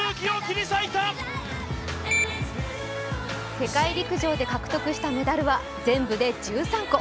世界陸上で獲得したメダルは全部で１３個。